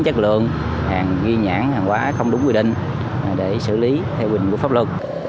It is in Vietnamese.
chất lượng hàng ghi nhãn hàng quán không đúng quy định để xử lý theo quyền của pháp luật